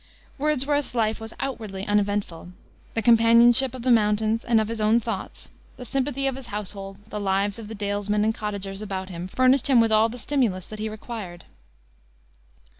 Wordsworth's life was outwardly uneventful. The companionship of the mountains and of his own thoughts; the sympathy of his household; the lives of the dalesmen and cottagers about him furnished him with all the stimulus that he required.